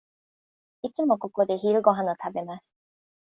いつもここで昼ごはんを食べます。